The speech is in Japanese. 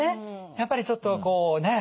やっぱりちょっとこうね